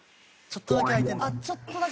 「ちょっとだけ開いてるんだ」